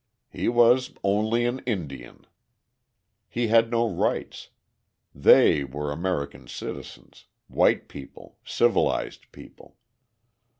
He was "only an Indian." He had no rights. They were American citizens, white people; civilized people.